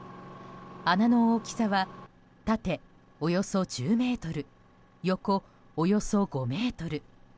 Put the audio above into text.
穴の大きさは縦およそ１０ｍ横およそ５ｍ。